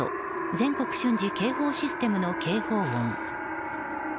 ・全国瞬時警報システムの警報音。